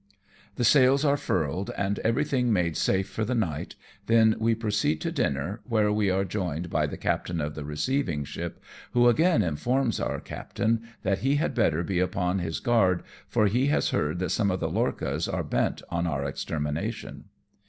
The sails are furled and everything made safe for the night, then we proceed to dinner, where we are joined by the captain of the receiving ship, who again informs our captain that he had better be upon his guard, for he has heard that some of the lorchas are bent on our extermination.